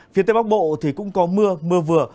phía tây bắc bộ thì cũng có mưa mưa vừa